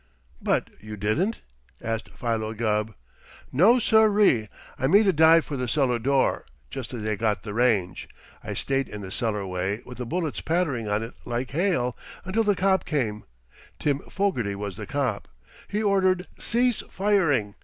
"But you didn't?" asked Philo Gubb. "No, siree! I made a dive for the cellar door, just as they got the range. I stayed in the cellarway, with the bullets pattering on it like hail, until the cop came. Tim Fogarty was the cop. He ordered 'Cease firing!'